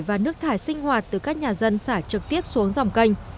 và nước thải sinh hoạt từ các nhà dân xả trực tiếp xuống dòng canh